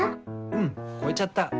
うんこえちゃった！